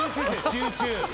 集中。